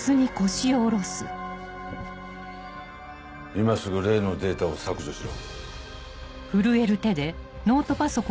今すぐ例のデータを削除しろ。